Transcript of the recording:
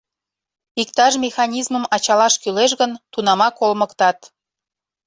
Иктаж механизмым ачалаш кӱлеш гын, тунамак олмыктат.